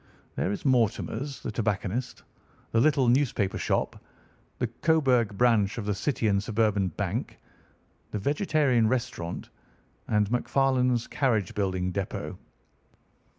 There is Mortimer's, the tobacconist, the little newspaper shop, the Coburg branch of the City and Suburban Bank, the Vegetarian Restaurant, and McFarlane's carriage building depot.